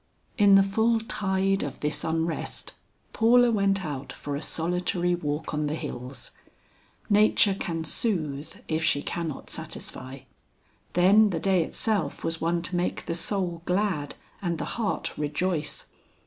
In the full tide of this unrest, Paula went out for a solitary walk on the hills. Nature can soothe if she cannot satisfy. Then the day itself was one to make the soul glad and the heart rejoice.